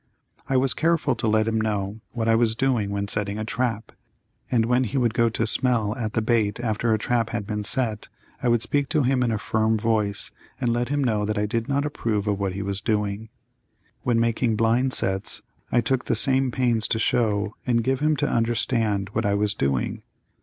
I was careful to let him know what I was doing when setting a trap, and when he would go to smell at the bait after a trap had been set, I would speak to him in a firm voice and let him know that I did not approve of what he was doing. When making blind sets, I took the same pains to show and give him to understand what I was doing.